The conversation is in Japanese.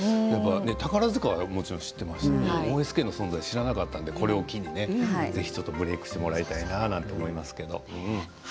宝塚はもちろん知っていましたけどＯＳＫの存在は知らなかったのでこれを機にブレークしてもらいたいと思います。